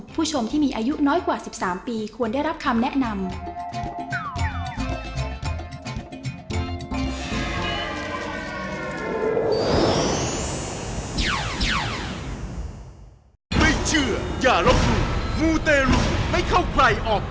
ผู้ชมที่มีอายุน้อยกว่า๑๓ปีควรได้รับคำแนะนำ